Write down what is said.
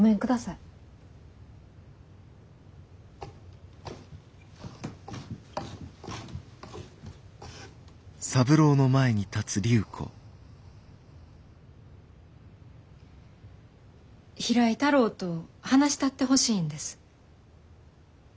平井太郎と話したってほしいんです。